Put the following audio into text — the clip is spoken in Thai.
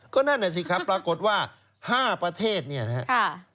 ก็นั่นน่ะสิครับปรากฏว่า๕ประเทศเนี่ยนะครับ